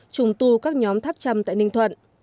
trùng tu các nhóm tháp chăm tại ninh thuận